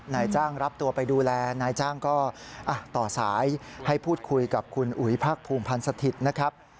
นายจ้างรับตัวไปดูแลนายจ้างก็ต่อสายให้พูดคุยกับคุณอุ๋ยภาคภูมิพันธ์สถิตย์นะครับ